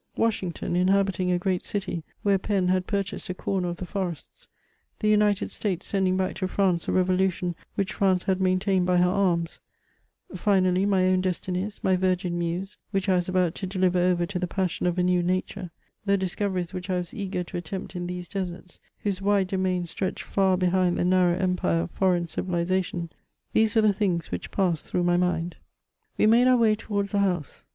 — Washington inhabiting a great city, where Penn had purchased a comer of the forests ;— the United States sending back to France the Revolution, which France had main|(ined by her arms ;— finally, my own destinies, my virgin muse, which I was about to deliver over to the passion of a new nature ;— the discoveries which I was eager to attempt in these deserts, whose wide domain stretched far behind the narrow empire of foreigpn civilisation : these were the things which passed through my mind. We made our way towards a house.